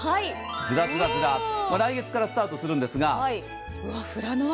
ズラズラズラ、来月からスタートするんですが。